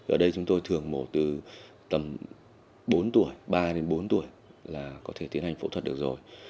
ở đây chúng tôi thường mổ từ tầm bốn tuổi ba đến bốn tuổi là có thể tiến hành phẫu thuật được rồi